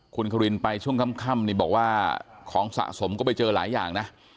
คุณครินไปช่วงค่ำนี่บอกว่าของสะสมก็ไปเจอหลายอย่างนะ